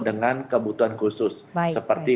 dengan kebutuhan khusus seperti